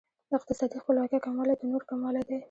د اقتصادي خپلواکۍ کموالی د نورو کموالی دی.